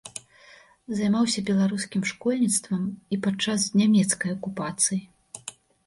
Займаўся беларускім школьніцтвам і падчас нямецкай акупацыі.